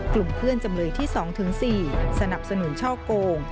กลุ่มเพื่อนจำเลยที่๒๔สนับสนุนช่อโกง